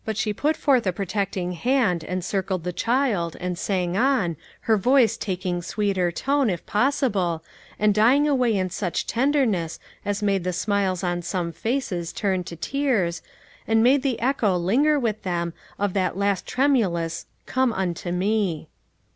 359 she put forth a protecting hand and circled the child, and sang on, her voice taking sweeter tone, if possible, and dying away in such tenderness as made the smiles on some faces turn to tears, and made the echo linger with them of that last tremulous " Come unto Me."